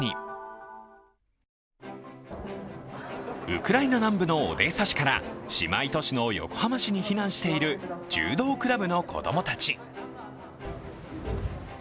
ウクライナ南部のオデーサ市から姉妹都市の横浜市に避難している柔道クラブの子供たち。